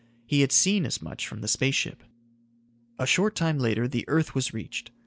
He had seen as much from the space ship. A short time later the earth was reached.